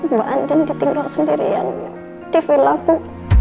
mbak andien ditinggal sendirian di vilaku